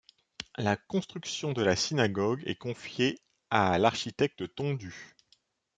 La construction de la synagogue est confiée à l'architecte Tondu.